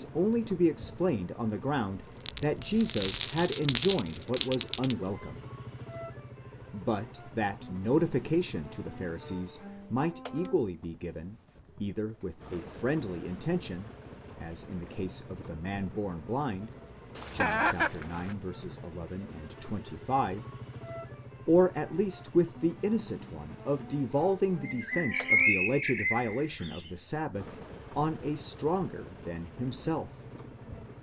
only to be explained on the ground that Jesus had enjoined what was un welcome. But that notification to the Pharisees might equally be given, either with a friendly intention, as in the case of the man born blind (John. ix. 11, 25), or at least with the innocent one of devolving the defence of the: alleged violation of the sabbath on a stronger than himself.